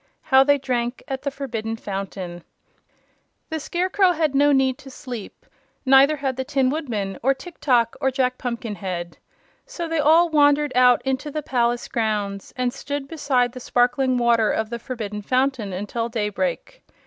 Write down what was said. How They Drank at the Forbidden Fountain The Scarecrow had no need to sleep; neither had the Tin Woodman or Tiktok or Jack Pumpkinhead. So they all wandered out into the palace grounds and stood beside the sparkling water of the Forbidden Fountain until daybreak.